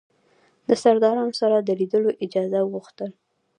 د سردارانو سره د لیدلو اجازه وغوښتل.